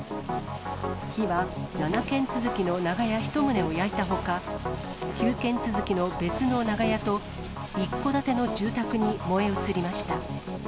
火は７軒続きの長屋１棟を焼いたほか、９軒続きの別の長屋と一戸建ての住宅に燃え移りました。